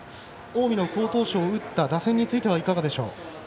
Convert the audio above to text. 近江の好投手を打った打線についてはいかがでしょう？